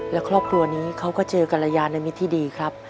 และครอบครัวนี้เขาก็เจอกรยาในมิตรที่ดีครับ